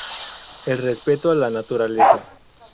El Respeto a la naturaleza.